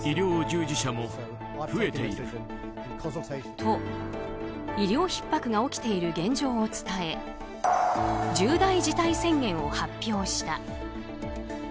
と、医療ひっ迫が起きている現状を伝え重大事態宣言を発表した。